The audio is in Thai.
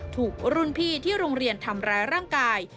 ถูกรุ่นพี่ที่โรงเรียนทำร้ายร่างกาย